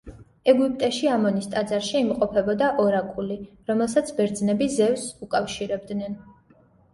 ეგვიპტეში, ამონის ტაძარში იმყოფებოდა ორაკული, რომელსაც ბერძნები ზევსს უკავშირებდნენ.